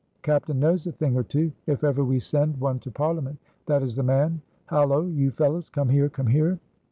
"Captain knows a thing or two." "If ever we send one to parliament that is the man." "Halo! you fellows, come here! come here!"